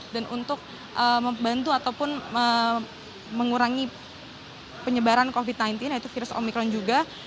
dan untuk membantu ataupun mengurangi penyebaran covid sembilan belas yaitu virus omikron juga